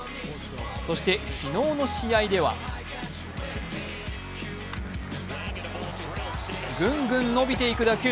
そして昨日の試合ではグングン伸びていく打球。